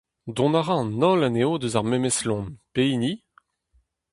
Dont a ra an holl anezho eus ar memes loen, pehini ?